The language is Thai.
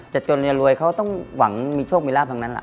จากจนมือรวยเค้าต้องหวังมีโชคมีราฟทั้งนั้น